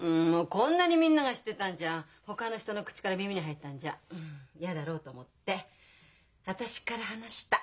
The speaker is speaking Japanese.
こんなにみんなが知ってたんじゃほかの人の口から耳に入ったんじゃ嫌だろうと思って私から話した。